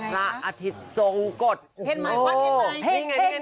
ละอาทิตย์ทรงกฎเห็นไหมวัดเห็นไหมเห็น